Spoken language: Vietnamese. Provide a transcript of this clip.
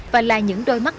và là những đôi mắt thần